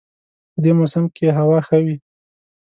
په دې موسم کې هوا ښه وي